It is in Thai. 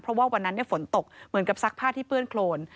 เพราะว่าวันนั้นฝนตกเหมือนกับซักผ้าที่เปื้อนโครน